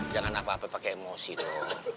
jangan apa apa pake emosi dong